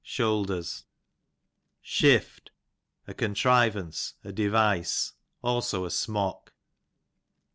Shooders, I Shift, a contrivance, a device ; also a smock.